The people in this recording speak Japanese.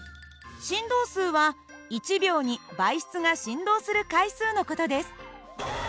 振動数は１秒に媒質が振動する回数の事です。